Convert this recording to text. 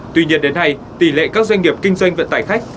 tuy nhiên đến nay tỷ lệ các doanh nghiệp kinh doanh vận tải khách